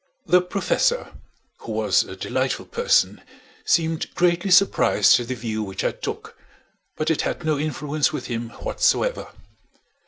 The Professor, who was a delightful person, seemed greatly surprised at the view which I took, but it had no influence with him whatsoever.